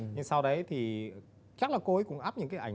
nhưng sau đấy thì chắc là cô ấy cũng áp những cái ảnh